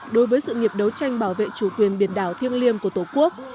đối với sự nghiệp đấu tranh bảo vệ chủ quyền biển đảo thiêng liêng của tổ quốc